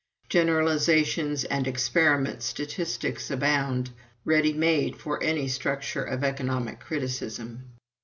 Generalizations and experiment statistics abound, ready made for any structure of economic criticism.